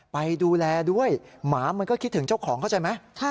ไปดูแลด้วยหมามันก็คิดถึงเจ้าของเข้าใจไหม